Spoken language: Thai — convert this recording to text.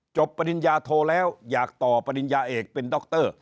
ปริญญาโทแล้วอยากต่อปริญญาเอกเป็นดร